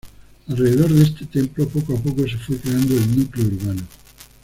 Alrededor de este templo, poco a poco se fue creando el núcleo urbano.